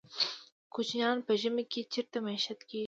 کوچیان په ژمي کې چیرته میشت کیږي؟